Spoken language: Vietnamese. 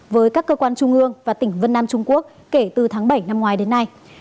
với các cơ quan trung ương và tỉnh vân nam trung quốc kể từ tháng bảy năm ngoái đến nay